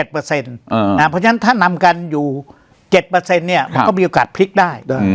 เพราะฉะนั้นถ้านำกันอยู่๗เปอร์เซ็นต์เนี่ยมันก็มีโอกาสพลิกได้